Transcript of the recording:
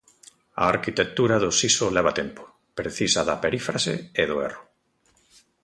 A arquitectura do siso leva tempo, precisa da perífrase e do erro.